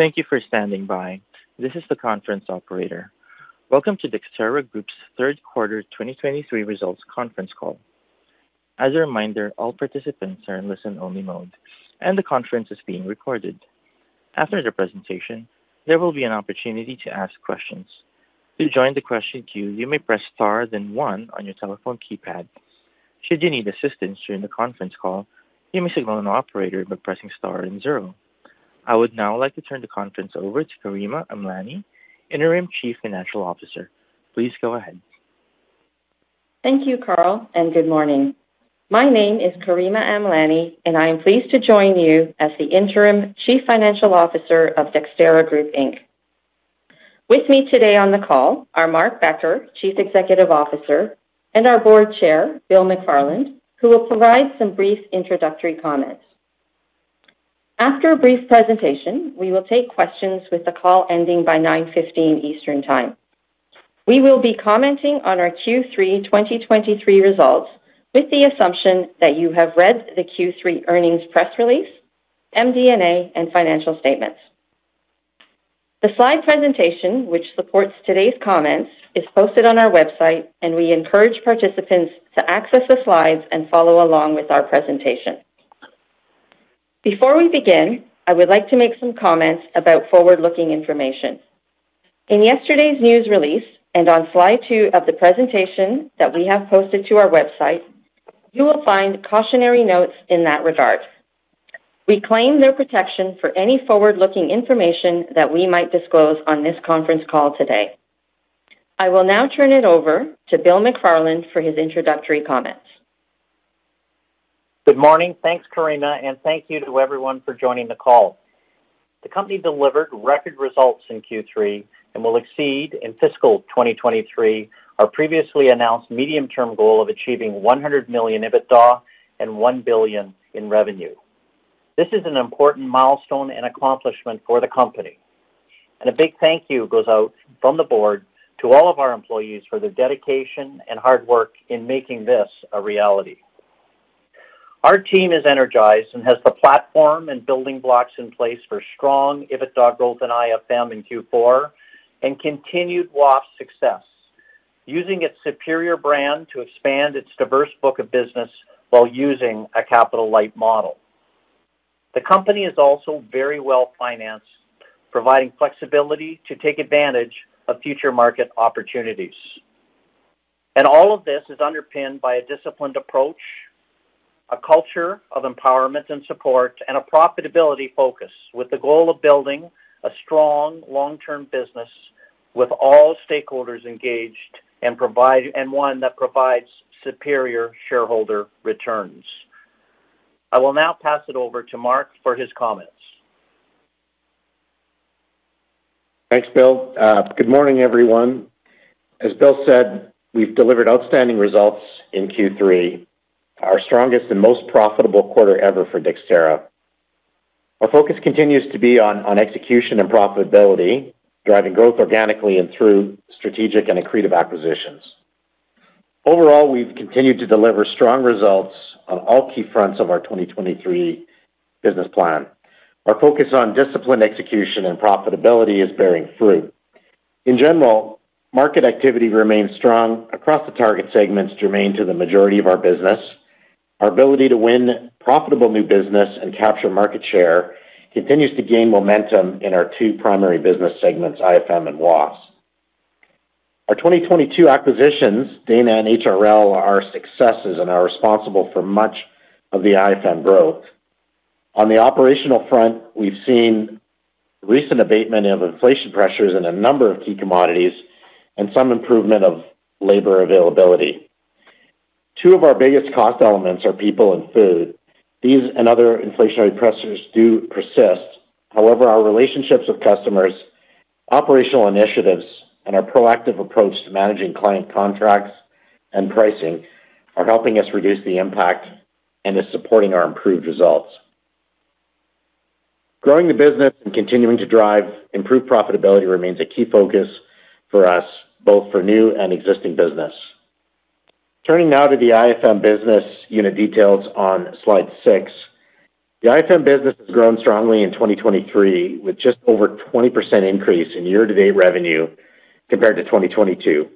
Thank you for standing by. This is the conference operator. Welcome to Dexterra Group's third quarter 2023 results conference call. As a reminder, all participants are in listen-only mode, and the conference is being recorded. After the presentation, there will be an opportunity to ask questions. To join the question queue, you may press star, then one on your telephone keypad. Should you need assistance during the conference call, you may signal an operator by pressing star and zero. I would now like to turn the conference over to Karima Amlani, Interim Chief Financial Officer. Please go ahead. Thank you, Carl, and good morning. My name is Karima Amlani, and I am pleased to join you as the Interim Chief Financial Officer of Dexterra Group Inc. With me today on the call are Mark Becker, Chief Executive Officer, and our Board Chair, Bill McFarland, who will provide some brief introductory comments. After a brief presentation, we will take questions, with the call ending by 9:50 A.M. Eastern Time. We will be commenting on our Q3 2023 results with the assumption that you have read the Q3 earnings press release, MD&A, and financial statements. The slide presentation, which supports today's comments, is posted on our website, and we encourage participants to access the slides and follow along with our presentation. Before we begin, I would like to make some comments about forward-looking information. In yesterday's news release and on slide two of the presentation that we have posted to our website, you will find cautionary notes in that regard. We claim their protection for any forward-looking information that we might disclose on this conference call today. I will now turn it over to Bill McFarland for his introductory comments. Good morning. Thanks, Karima, and thank you to everyone for joining the call. The company delivered record results in Q3 and will exceed in fiscal 2023 our previously announced medium-term goal of achieving 100 million EBITDA and 1 billion in revenue. This is an important milestone and accomplishment for the company, and a big thank you goes out from the board to all of our employees for their dedication and hard work in making this a reality. Our team is energized and has the platform and building blocks in place for strong EBITDA growth in IFM in Q4 and continued WAFES success, using its superior brand to expand its diverse book of business while using a capital-light model. The company is also very well financed, providing flexibility to take advantage of future market opportunities. All of this is underpinned by a disciplined approach, a culture of empowerment and support, and a profitability focus with the goal of building a strong long-term business with all stakeholders engaged, and one that provides superior shareholder returns. I will now pass it over to Mark for his comments. Thanks, Bill. Good morning, everyone. As Bill said, we've delivered outstanding results in Q3, our strongest and most profitable quarter ever for Dexterra. Our focus continues to be on execution and profitability, driving growth organically and through strategic and accretive acquisitions. Overall, we've continued to deliver strong results on all key fronts of our 2023 business plan. Our focus on disciplined execution and profitability is bearing fruit. In general, market activity remains strong across the target segments germane to the majority of our business. Our ability to win profitable new business and capture market share continues to gain momentum in our two primary business segments, IFM and WAFES. Our 2022 acquisitions, Dana and HRL, are successes and are responsible for much of the IFM growth. On the operational front, we've seen recent abatement of inflation pressures in a number of key commodities and some improvement of labor availability. Two of our biggest cost elements are people and food. These and other inflationary pressures do persist. However, our relationships with customers, operational initiatives, and our proactive approach to managing client contracts and pricing are helping us reduce the impact and is supporting our improved results. Growing the business and continuing to drive improved profitability remains a key focus for us, both for new and existing business. Turning now to the IFM business unit details on slide six. The IFM business has grown strongly in 2023, with just over 20% increase in year-to-date revenue compared to 2022,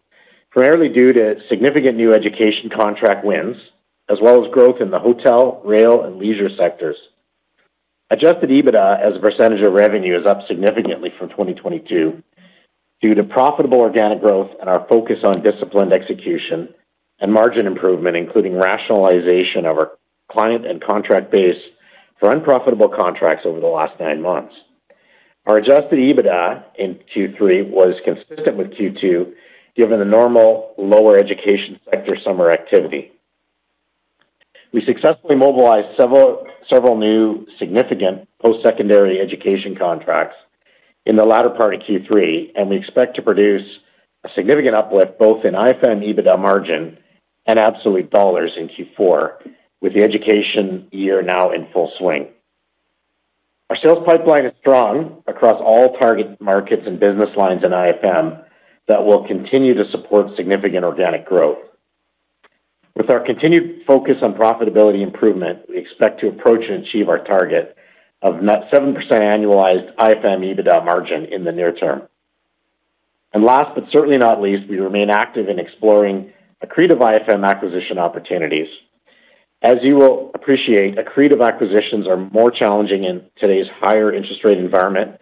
primarily due to significant new education contract wins, as well as growth in the hotel, rail, and leisure sectors. Adjusted EBITDA as a percentage of revenue, is up significantly from 2022 due to profitable organic growth and our focus on disciplined execution and margin improvement, including rationalization of our client and contract base for unprofitable contracts over the last nine months. Our adjusted EBITDA in Q3 was consistent with Q2, given the normal lower education sector summer activity. We successfully mobilized several new significant post-secondary education contracts in the latter part of Q3, and we expect to produce a significant uplift both in IFM and EBITDA margin and absolute dollars in Q4, with the education year now in full swing. Our sales pipeline is strong across all target markets and business lines in IFM that will continue to support significant organic growth. With our continued focus on profitability improvement, we expect to approach and achieve our target of net 7% annualized IFM EBITDA margin in the near term. And last, but certainly not least, we remain active in exploring accretive IFM acquisition opportunities. As you will appreciate, accretive acquisitions are more challenging in today's higher interest rate environment.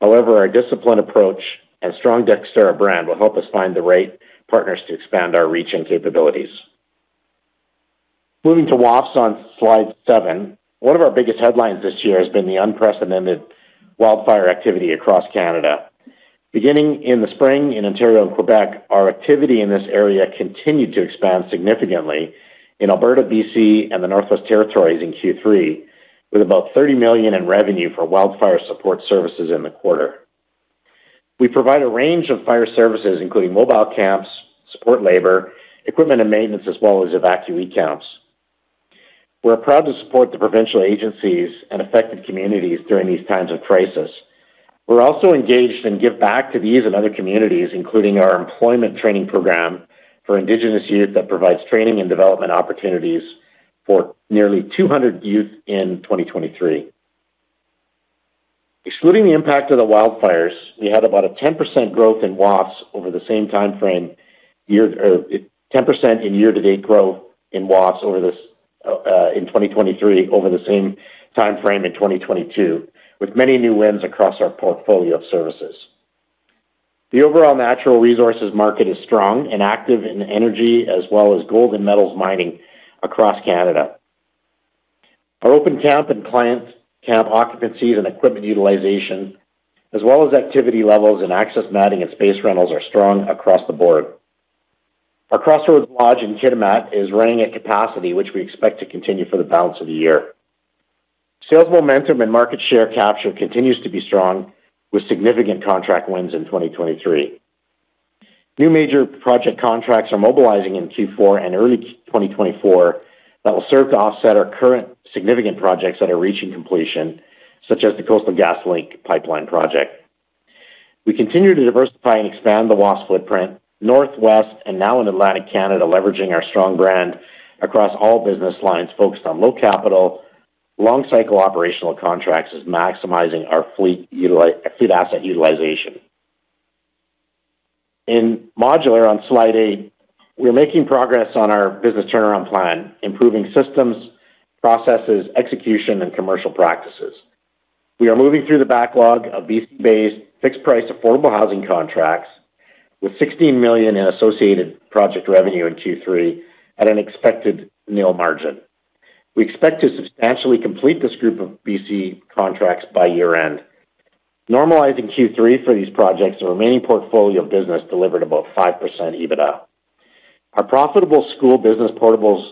However, our disciplined approach and strong Dexterra brand will help us find the right partners to expand our reach and capabilities. Moving to WAFES on slide seven. One of our biggest headlines this year has been the unprecedented wildfire activity across Canada. Beginning in the spring in Ontario and Quebec, our activity in this area continued to expand significantly in Alberta, BC, and the Northwest Territories in Q3, with about 30 million in revenue for wildfire support services in the quarter. We provide a range of fire services, including mobile camps, support labor, equipment and maintenance, as well as evacuee camps. We're proud to support the provincial agencies and affected communities during these times of crisis. We're also engaged and give back to these and other communities, including our employment training program for Indigenous Youth, that provides training and development opportunities for nearly 200 youth in 2023. Excluding the impact of the wildfires, we had about a 10% growth in WAPS over the same time frame, year, 10% in year-to-date growth in WAPS over this, in 2023 over the same time frame in 2022, with many new wins across our portfolio of services. The overall natural resources market is strong and active in energy as well as gold and metals mining across Canada. Our open camp and client camp occupancies and equipment utilization, as well as activity levels and access matting and space rentals, are strong across the board. Our Crossroads Lodge in Kitimat is running at capacity, which we expect to continue for the balance of the year. Sales momentum and market share capture continues to be strong, with significant contract wins in 2023. New major project contracts are mobilizing in Q4 and early 2024 that will serve to offset our current significant projects that are reaching completion, such as the Coastal GasLink pipeline project. We continue to diversify and expand the WAPS footprint, Northwest and now in Atlantic Canada, leveraging our strong brand across all business lines, focused on low capital, long cycle operational contracts, is maximizing our fleet utilize-- fleet asset utilization. In Modular, on slide eight, we're making progress on our business turnaround plan, improving systems, processes, execution, and commercial practices. We are moving through the backlog of BC-based, fixed-price, affordable housing contracts, with 16 million in associated project revenue in Q3 at an expected nil margin. We expect to substantially complete this group of BC contracts by year-end. Normalizing Q3 for these projects, the remaining portfolio of business delivered about 5% EBITDA. Our profitable school business portables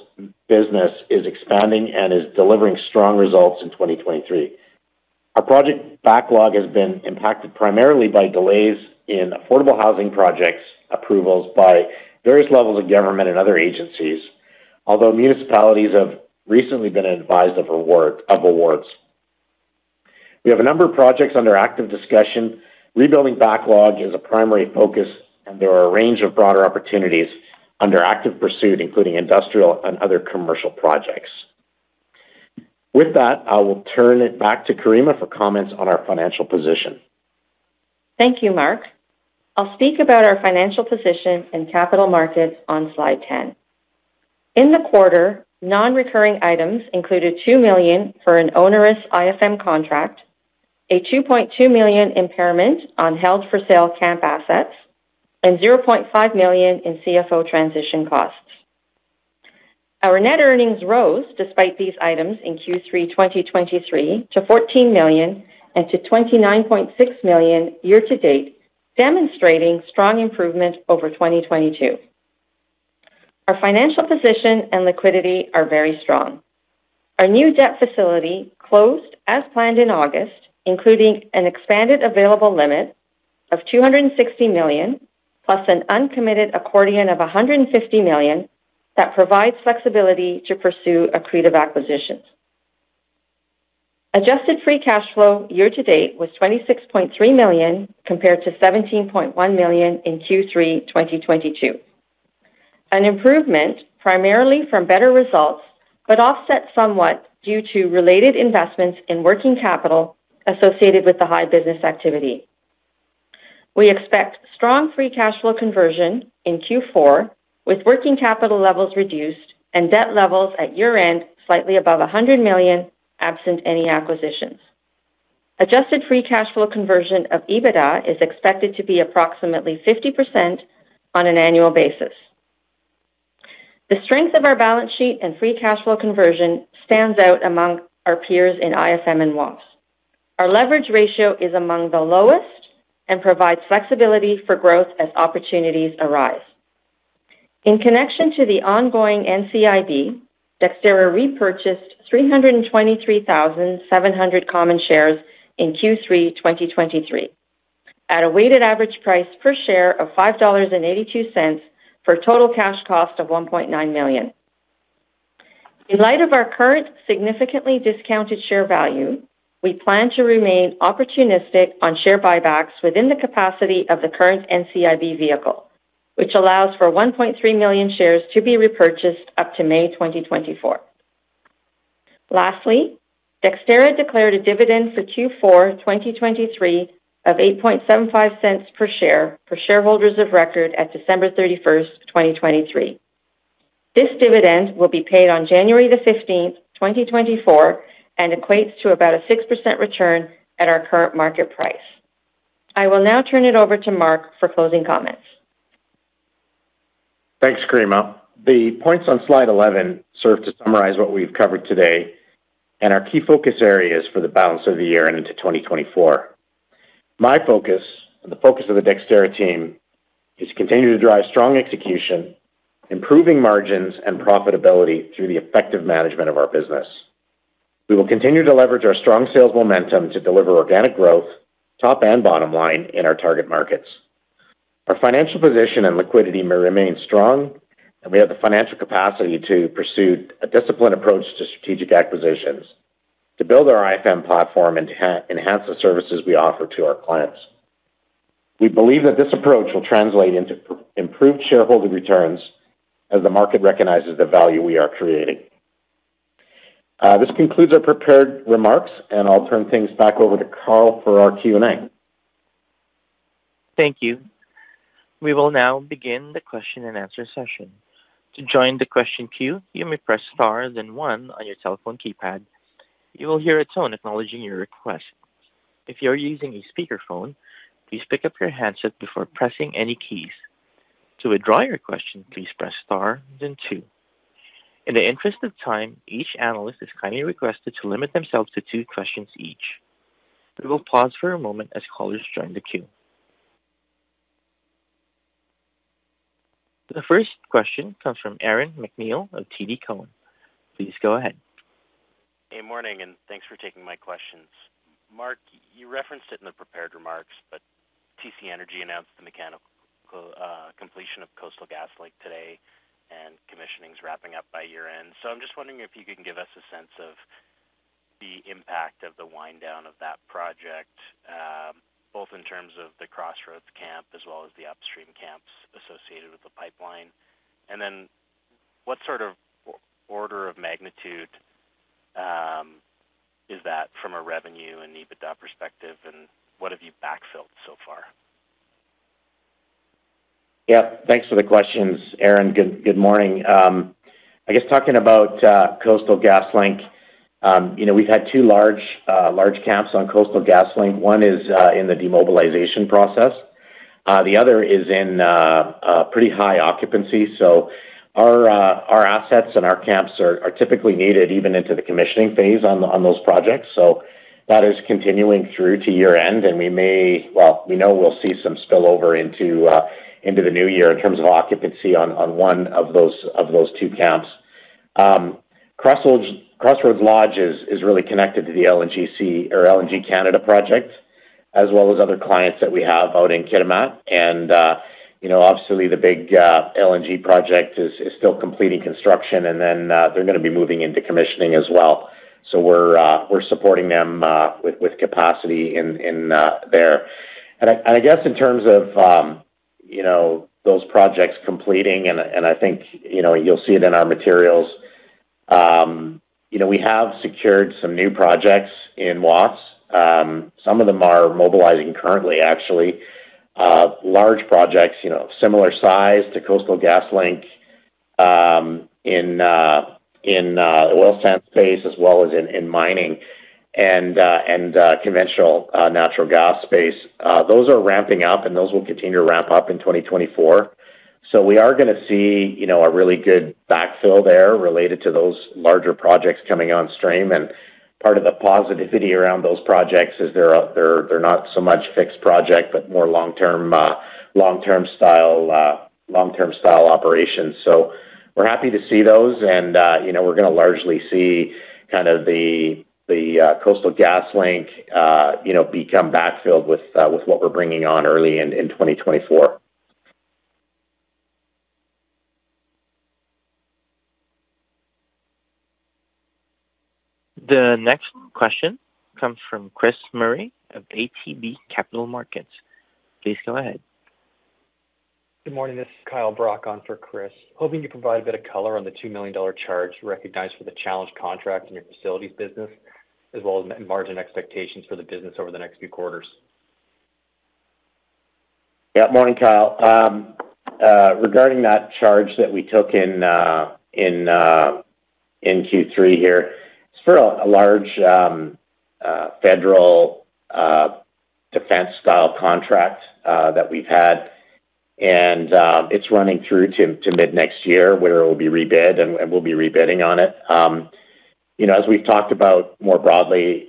business is expanding and is delivering strong results in 2023. Our project backlog has been impacted primarily by delays in affordable housing projects, approvals by various levels of government and other agencies, although municipalities have recently been advised of awards. We have a number of projects under active discussion. Rebuilding backlog is a primary focus, and there are a range of broader opportunities under active pursuit, including industrial and other commercial projects. With that, I will turn it back to Karima for comments on our financial position. Thank you, Mark. I'll speak about our financial position and capital markets on slide 10. In the quarter, non-recurring items included 2 million for an onerous IFM contract, a 2.2 million impairment on held-for-sale camp assets, and 0.5 million in CFO transition costs. Our net earnings rose despite these items in Q3 2023 to 14 million and to 29.6 million year-to-date, demonstrating strong improvement over 2022. Our financial position and liquidity are very strong. Our new debt facility closed as planned in August, including an expanded available limit of 260 million, plus an uncommitted accordion of 150 million, that provides flexibility to pursue accretive acquisitions. Adjusted free cash flow year to date was 26.3 million, compared to 17.1 million in Q3 2022. An improvement primarily from better results, but offset somewhat due to related investments in working capital associated with the high business activity. We expect strong free cash flow conversion in Q4, with working capital levels reduced and debt levels at year-end slightly above 100 million, absent any acquisitions. Adjusted free cash flow conversion of EBITDA is expected to be approximately 50% on an annual basis. The strength of our balance sheet and free cash flow conversion stands out among our peers in IFM and WAPS. Our leverage ratio is among the lowest and provides flexibility for growth as opportunities arise. In connection to the ongoing NCIB, Dexterra repurchased 323,700 common shares in Q3 2023, at a weighted average price per share of 5.82 dollars, for a total cash cost of 1.9 million. In light of our current significantly discounted share value, we plan to remain opportunistic on share buybacks within the capacity of the current NCIB vehicle, which allows for 1.3 million shares to be repurchased up to May 2024. Lastly, Dexterra declared a dividend for Q4 2023 of 0.0875 per share for shareholders of record at December 31, 2023. This dividend will be paid on January 15, 2024, and equates to about a 6% return at our current market price. I will now turn it over to Mark for closing comments. Thanks, Karima. The points on slide 11 serve to summarize what we've covered today and our key focus areas for the balance of the year and into 2024. My focus, and the focus of the Dexterra team, is to continue to drive strong execution, improving margins and profitability through the effective management of our business. We will continue to leverage our strong sales momentum to deliver organic growth, top and bottom line, in our target markets. Our financial position and liquidity may remain strong, and we have the financial capacity to pursue a disciplined approach to strategic acquisitions, to build our IFM platform and enhance the services we offer to our clients. We believe that this approach will translate into improved shareholder returns as the market recognizes the value we are creating. This concludes our prepared remarks, and I'll turn things back over to Carl for our Q&A. Thank you. We will now begin the question-and-answer session. To join the question queue, you may press Star then One on your telephone keypad. You will hear a tone acknowledging your request. If you are using a speakerphone, please pick up your handset before pressing any keys. To withdraw your question, please press star, then two. In the interest of time, each analyst is kindly requested to limit themselves to two questions each. We will pause for a moment as callers join the queue. The first question comes from Aaron MacNeil of TD Cowen. Please go ahead. Hey, morning, and thanks for taking my questions. Mark, you referenced it in the prepared remarks, but TC Energy announced the mechanical completion of Coastal GasLink today, and commissioning is wrapping up by year-end. So I'm just wondering if you can give us a sense of the impact of the wind down of that project, both in terms of the Crossroads camp as well as the upstream camps associated with the pipeline. And then, what sort of order of magnitude is that from a revenue and EBITDA perspective, and what have you backfilled so far? Yeah, thanks for the questions, Aaron. Good morning. I guess talking about Coastal GasLink, you know, we've had two large camps on Coastal GasLink. One is in the demobilization process, the other is in a pretty high occupancy. So our assets and our camps are typically needed even into the commissioning phase on those projects. So that is continuing through to year-end, and we may, well, we know we'll see some spillover into the new year in terms of occupancy on one of those two camps. Crossroads Lodge is really connected to the LNG Canada project, as well as other clients that we have out in Kitimat. You know, obviously, the big LNG project is still completing construction, and then they're going to be moving into commissioning as well. So we're supporting them with capacity in there. And I guess in terms of, you know, those projects completing, and I think, you know, you'll see it in our materials. You know, we have secured some new projects in WAFES. Some of them are mobilizing currently, actually, large projects, you know, similar size to Coastal GasLink, in oil sand space as well as in mining and conventional natural gas space. Those are ramping up, and those will continue to ramp up in 2024. So we are going to see, you know, a really good backfill there related to those larger projects coming on stream. And part of the positivity around those projects is they're not so much fixed project, but more long-term style operations. So we're happy to see those, and, you know, we're going to largely see kind of the Coastal GasLink become backfilled with what we're bringing on early in 2024. The next question comes from Chris Murray of ATB Capital Markets. Please go ahead. Good morning, this is Kyle Brock on for Chris. Hoping you provide a bit of color on the 2 million dollar charge recognized for the challenged contracts in your facilities business, as well as the margin expectations for the business over the next few quarters? Yeah. Morning, Kyle. Regarding that charge that we took in in Q3 here, it's for a large federal defense style contract that we've had, and it's running through to mid-next year, where it will be rebid, and we'll be rebidding on it. You know, as we've talked about more broadly,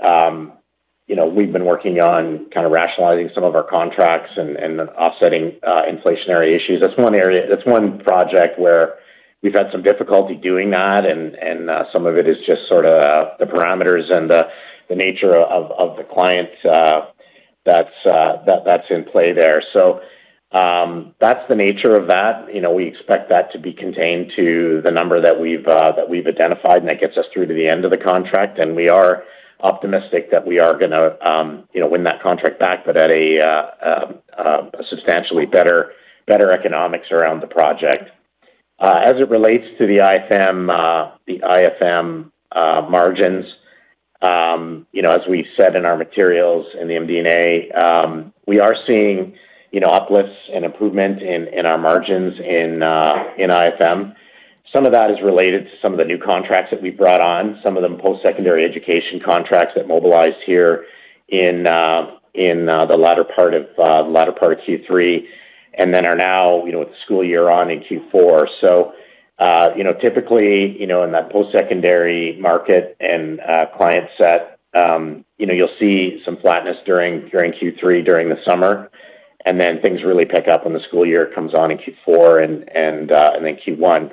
you know, we've been working on kind of rationalizing some of our contracts and offsetting inflationary issues. That's one area, that's one project where we've had some difficulty doing that, and some of it is just sort of the parameters and the nature of the client that's in play there. So, that's the nature of that. You know, we expect that to be contained to the number that we've identified, and that gets us through to the end of the contract. We are optimistic that we are gonna, you know, win that contract back, but at a substantially better economics around the project. As it relates to the IFM margins, you know, as we said in our materials, in the MD&A, we are seeing, you know, uplifts and improvement in our margins in IFM. Some of that is related to some of the new contracts that we've brought on, some of them post-secondary education contracts that mobilized here in the latter part of Q3, and then are now, you know, with the school year on in Q4. So, you know, typically, you know, in that post-secondary market and client set, you know, you'll see some flatness during Q3, during the summer, and then things really pick up when the school year comes on in Q4 and then Q1.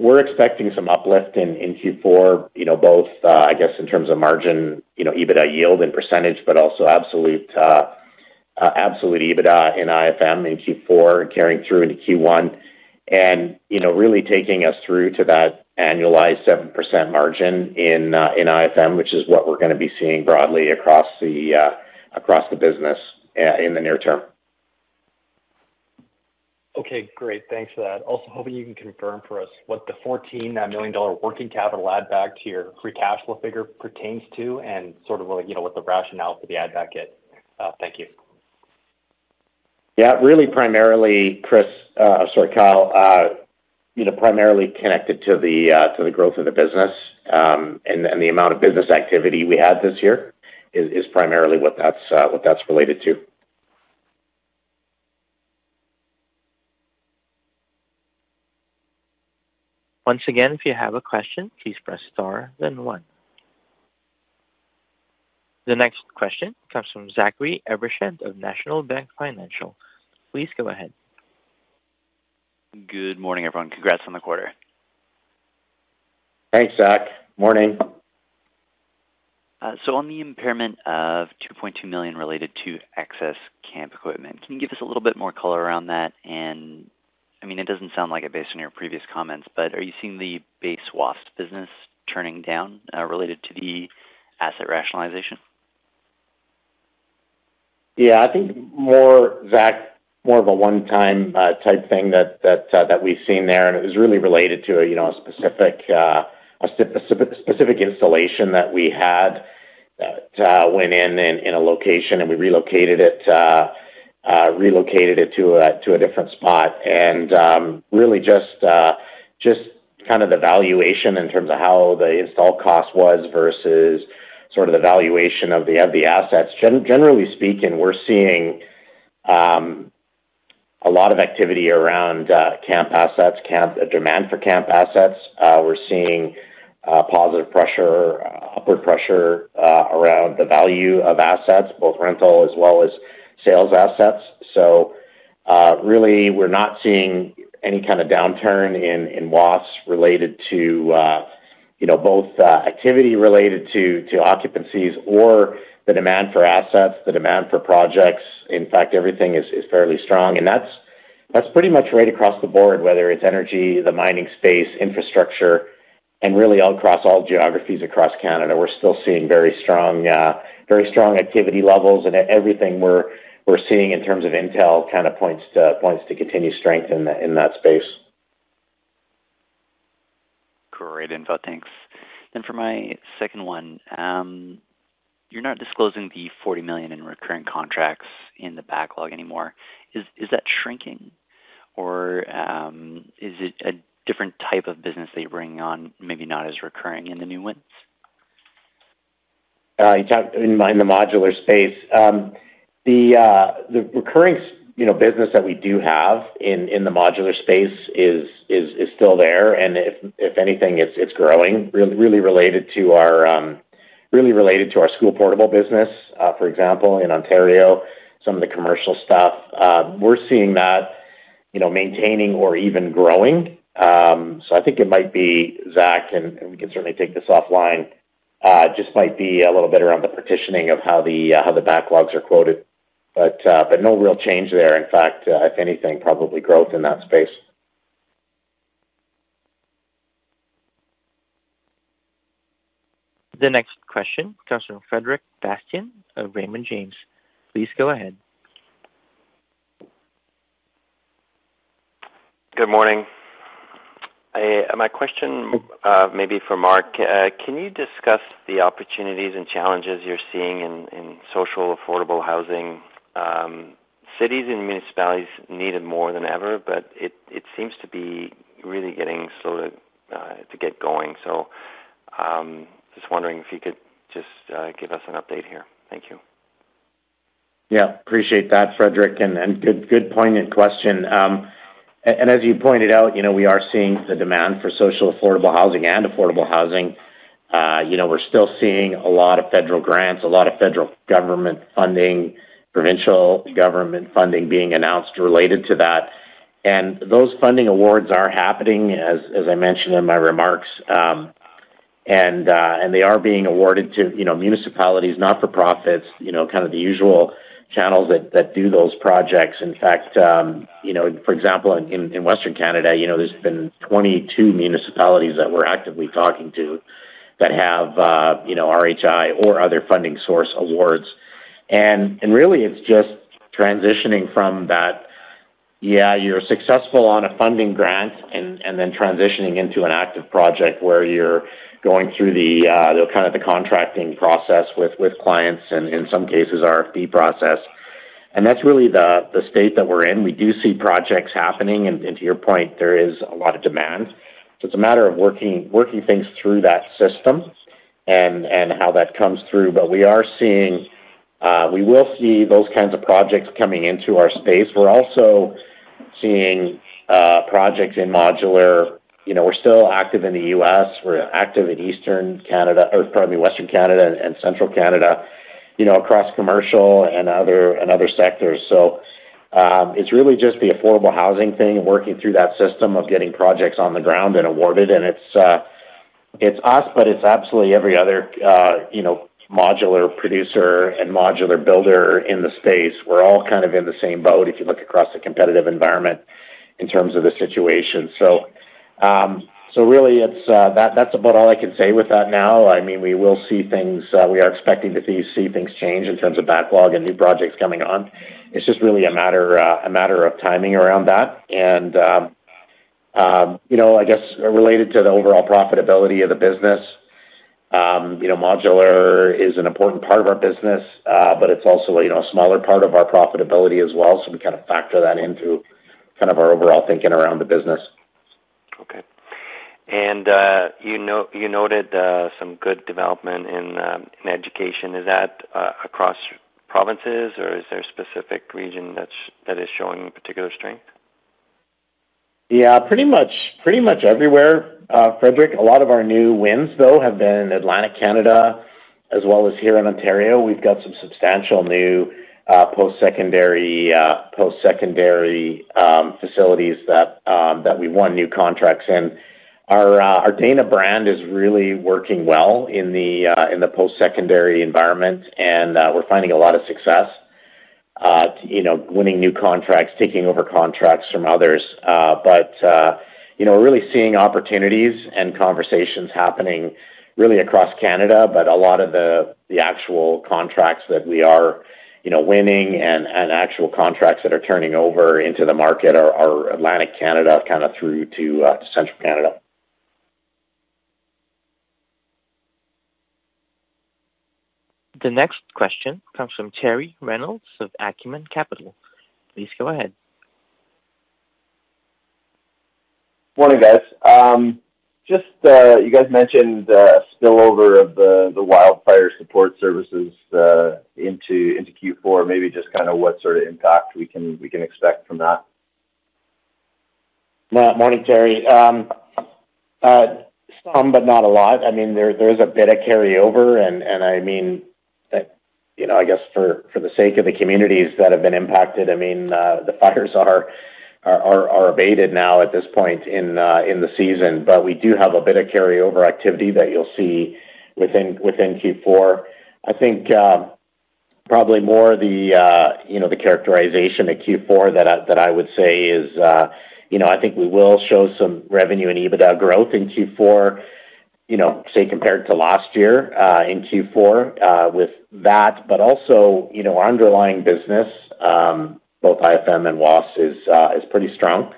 We're expecting some uplift in Q4, you know, both, I guess, in terms of margin, you know, EBITDA yield and percentage, but also absolute EBITDA in IFM in Q4, carrying through into Q1. You know, really taking us through to that annualized 7% margin in IFM, which is what we're gonna be seeing broadly across the business in the near term. Okay, great. Thanks for that. Also, hoping you can confirm for us what the 14 million dollar working capital add back to your free cash flow figure pertains to, and sort of like, you know, what the rationale for the add back is. Thank you. Yeah, really, primarily, Chris, sorry, Kyle, you know, primarily connected to the, to the growth of the business, and the amount of business activity we had this year, is primarily what that's related to. Once again, if you have a question, please press star, then one. The next question comes from Zachary Evershed of National Bank Financial. Please go ahead. Good morning, everyone. Congrats on the quarter. Thanks, Zach. Morning. So on the impairment of 2.2 million related to excess camp equipment, can you give us a little bit more color around that? And I mean, it doesn't sound like it, based on your previous comments, but are you seeing the base Wasp business turning down, related to the asset rationalization? Yeah, I think more, Zach, more of a one-time type thing that we've seen there. And it was really related to a, you know, a specific installation that we had went in a location, and we relocated it, relocated it to a different spot. And, really just kind of the valuation in terms of how the install cost was versus sort of the valuation of the assets. Generally speaking, we're seeing a lot of activity around camp assets, demand for camp assets. We're seeing positive pressure, upward pressure around the value of assets, both rental as well as sales assets. So, really, we're not seeing any kind of downturn in Wasp related to, you know, both, activity related to occupancies or the demand for assets, the demand for projects. In fact, everything is fairly strong, and that's pretty much right across the board, whether it's energy, the mining space, infrastructure, and really across all geographies across Canada. We're still seeing very strong activity levels. And everything we're seeing in terms of intel kind of points to continued strength in that space. Great info, thanks. And for my second one, you're not disclosing the 40 million in recurring contracts in the backlog anymore. Is that shrinking? Or, is it a different type of business that you're bringing on, maybe not as recurring in the new wins? Keeping in mind the modular space. The recurring, you know, business that we do have in the modular space is still there, and if anything, it's growing, really related to our school portable business. For example, in Ontario, some of the commercial stuff, we're seeing that, you know, maintaining or even growing. So I think it might be, Zach, and we can certainly take this offline, just might be a little bit around the partitioning of how the backlogs are quoted. But no real change there. In fact, if anything, probably growth in that space. The next question comes from Frederick Bastien of Raymond James. Please go ahead. Good morning. My question, maybe for Mark. Can you discuss the opportunities and challenges you're seeing in social, affordable housing? Cities and municipalities need it more than ever, but it seems to be really getting slow to get going. So, just wondering if you could just give us an update here. Thank you. Yeah, appreciate that, Frederick, and good, good poignant question. As you pointed out, you know, we are seeing the demand for social, affordable housing and affordable housing. You know, we're still seeing a lot of federal grants, a lot of federal government funding, provincial government funding being announced related to that. And those funding awards are happening, as I mentioned in my remarks, and they are being awarded to, you know, municipalities, not-for-profits, you know, kind of the usual channels that do those projects. In fact, you know, for example, in Western Canada, you know, there's been 22 municipalities that we're actively talking to that have, you know, RHI or other funding source awards. And really, it's just transitioning from that. Yeah, you're successful on a funding grant and then transitioning into an active project where you're going through the kind of the contracting process with clients and in some cases, RFP process. And that's really the state that we're in. We do see projects happening, and to your point, there is a lot of demand. So it's a matter of working things through that system and how that comes through. But we are seeing. We will see those kinds of projects coming into our space. We're also seeing projects in modular. You know, we're still active in the U.S., we're active in Eastern Canada, or pardon me, Western Canada and Central Canada, you know, across commercial and other sectors. So, it's really just the affordable housing thing, working through that system of getting projects on the ground and awarded, and it's us, but it's absolutely every other, you know, modular producer and modular builder in the space. We're all kind of in the same boat if you look across the competitive environment in terms of the situation. So, really, it's that—that's about all I can say with that now. I mean, we will see things; we are expecting to see things change in terms of backlog and new projects coming on. It's just really a matter of timing around that. You know, I guess related to the overall profitability of the business, you know, modular is an important part of our business, but it's also, you know, a smaller part of our profitability as well. So we kind of factor that into kind of our overall thinking around the business. Okay. And, you know, you noted some good development in education. Is that across provinces, or is there a specific region that is showing particular strength? Yeah, pretty much, pretty much everywhere, Frederick. A lot of our new wins, though, have been in Atlantic Canada as well as here in Ontario. We've got some substantial new postsecondary facilities that we've won new contracts in. Our Dana brand is really working well in the postsecondary environment, and we're finding a lot of success to you know winning new contracts, taking over contracts from others. But you know, we're really seeing opportunities and conversations happening really across Canada, but a lot of the actual contracts that we are you know winning and actual contracts that are turning over into the market are Atlantic Canada, kind of through to Central Canada. The next question comes from Terry Reynolds of Acumen Capital. Please go ahead. Morning, guys. Just, you guys mentioned the spillover of the wildfire support services into Q4. Maybe just kinda what sort of impact we can expect from that? Yeah. Morning, Terry. Some, but not a lot. I mean, there is a bit of carryover, and I mean, you know, I guess for the sake of the communities that have been impacted, I mean, the fires are abated now at this point in the season. But we do have a bit of carryover activity that you'll see within Q4. I think, probably more the, you know, the characterization of Q4 that I would say is, you know, I think we will show some revenue and EBITDA growth in Q4, you know, say, compared to last year, in Q4, with that. But also, you know, our underlying business, both IFM and Wasp, is pretty strong.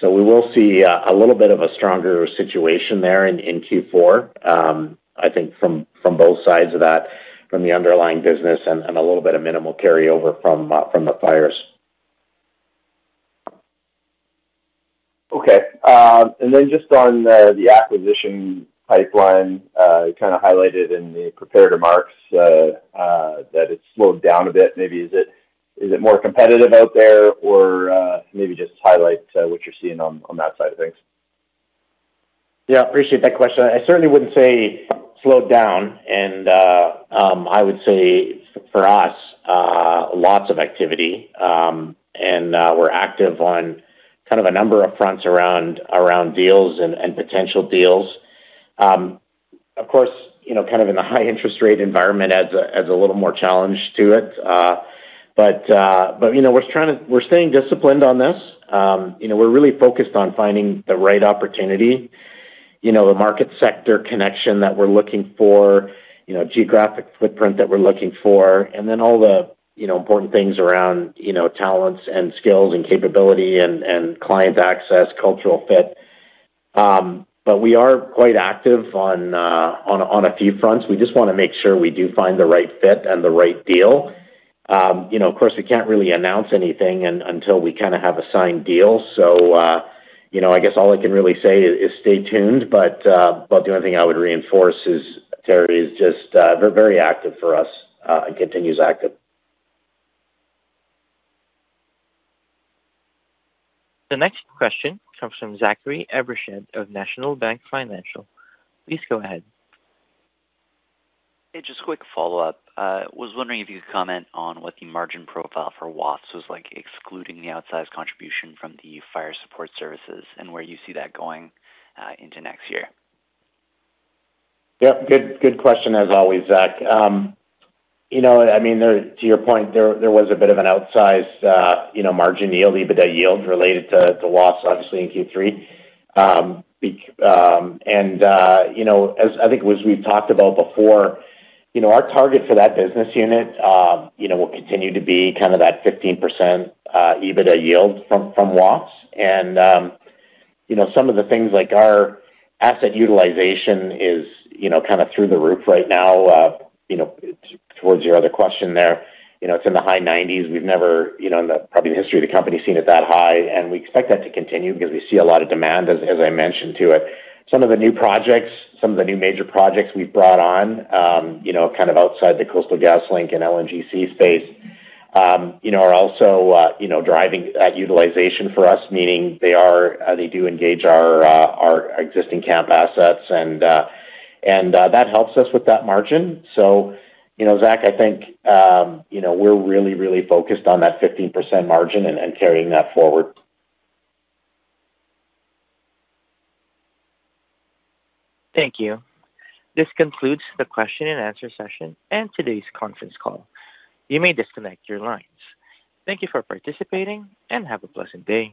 So we will see a little bit of a stronger situation there in Q4. I think from both sides of that, from the underlying business and a little bit of minimal carryover from the fires. Okay. And then just on the acquisition pipeline, you kind of highlighted in the prepared remarks that it's slowed down a bit. Maybe is it more competitive out there? Or maybe just highlight what you're seeing on that side of things. Yeah, appreciate that question. I certainly wouldn't say slowed down, and I would say for us, lots of activity, and we're active on kind of a number of fronts around deals and potential deals. Of course, you know, kind of in a high interest rate environment adds a little more challenge to it. But you know, we're trying to, we're staying disciplined on this. You know, we're really focused on finding the right opportunity, you know, the market sector connection that we're looking for, you know, geographic footprint that we're looking for, and then all the important things around talents and skills and capability and client access, cultural fit. But we are quite active on a few fronts. We just wanna make sure we do find the right fit and the right deal. You know, of course, we can't really announce anything until we kinda have a signed deal. So, you know, I guess all I can really say is stay tuned. But the only thing I would reinforce is, Terry, just they're very active for us and continues active. The next question comes from Zachary Evershed of National Bank Financial. Please go ahead. Hey, just a quick follow-up. Was wondering if you could comment on what the margin profile for WAFES was like, excluding the outsized contribution from the fire support services, and where you see that going, into next year? Yep. Good, good question as always, Zach. You know, I mean, there... To your point, there, there was a bit of an outsized, you know, margin yield, EBITDA yield related to, to WAFES, obviously, in Q3. And, you know, as I think, as we've talked about before, you know, our target for that business unit, you know, will continue to be kind of that 15% EBITDA yield from, from WAFES. And, you know, some of the things like our asset utilization is, you know, kind of through the roof right now, you know, towards your other question there. You know, it's in the high 90s. We've never, you know, in the probably the history of the company, seen it that high, and we expect that to continue because we see a lot of demand, as, as I mentioned, to it. Some of the new projects, some of the new major projects we've brought on, you know, kind of outside the Coastal GasLink and LNG Canada space, you know, are also, you know, driving that utilization for us, meaning they are, they do engage our, our existing camp assets, and, and, that helps us with that margin. So, you know, Zach, I think, you know, we're really, really focused on that 15% margin and, and carrying that forward. Thank you. This concludes the question and answer session and today's conference call. You may disconnect your lines. Thank you for participating, and have a pleasant day.